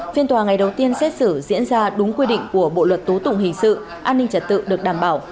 phiên tòa ngày đầu tiên xét xử diễn ra đúng quy định của bộ luật tố tụng hình sự an ninh trật tự được đảm bảo